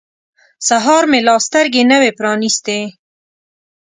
سهار مې لا سترګې نه وې پرانیستې.